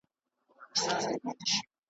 چي زینبه پکښی وراره چي سرتوره درخانۍ ده .